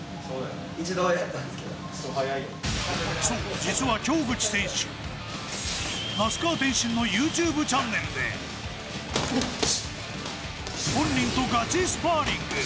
そう、実は京口選手、那須川選手のＹｏｕＴｕｂｅチャンネルで本人とガチスパーリング。